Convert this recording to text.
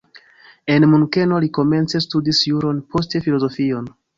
En Munkeno li komence studis juron, poste filozofion.